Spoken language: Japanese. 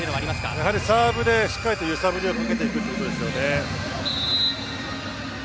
やはりサーブでしっかりと揺さぶりをかけていくということですよね。